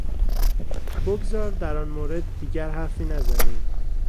بگذار در آن مورد دیگر حرفی نزنیم.